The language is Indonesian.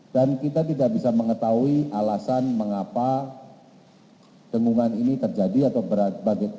dan kita tidak bisa mengetahui alasan mengapa dengungan ini terjadi atau berada